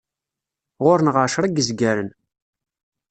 Ɣur-neɣ εecra n yizgaren.